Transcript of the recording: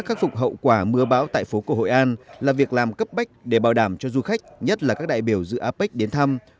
khắc phục hậu quả mưa bão tại phố cổ hội an là việc làm cấp bách để bảo đảm cho du khách nhất là các đại biểu dự apec đến thăm